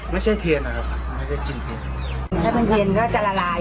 ไม่ใช่เทียนนะครับไม่ใช่กลิ่นเทียนถ้ามันเย็นก็จะละลาย